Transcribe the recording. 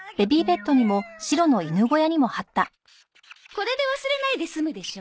これで忘れないで済むでしょ。